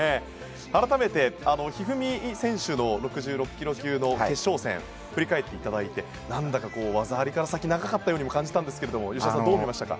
改めて、一二三選手の６６ｋｇ級の決勝戦を振り返っていただいて何だか技ありから先が長かったようにも感じましたが吉田さん、どう見ましたか？